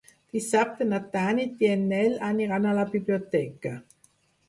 Dissabte na Tanit i en Nel aniran a la biblioteca.